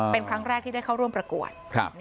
เป็นครั้งแรกที่ได้เข้าร่วมประกวด